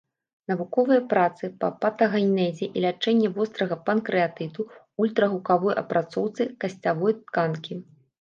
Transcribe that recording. Навуковыя працы па патагенезе і лячэнні вострага панкрэатыту, ультрагукавой апрацоўцы касцявой тканкі.